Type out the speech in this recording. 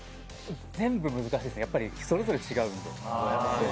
全部難しいですね、それぞれ違うので。